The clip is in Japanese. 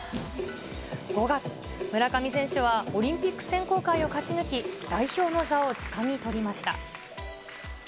５月、村上選手はオリンピック選考会を勝ち抜き、代表の座をつかみ取りました。